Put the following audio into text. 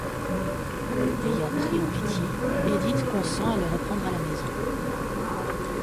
L’ayant pris en pitié, Édith consent à le reprendre à la maison.